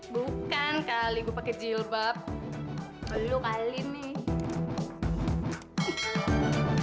bukan kali gue pakai jilbab belu kali nih